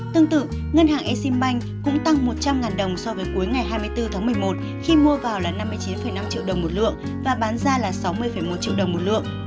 tương tự ngân hàng exim bank cũng tăng một trăm linh đồng so với cuối ngày hai mươi bốn tháng một mươi một khi mua vào là năm mươi chín năm triệu đồng một lượng và bán ra là sáu mươi một triệu đồng một lượng